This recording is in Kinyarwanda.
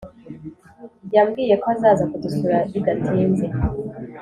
yambwiye ko azaza kudusura bidatinze